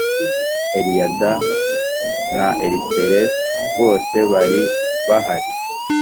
Eliyada na Elifeleti bose bari bahari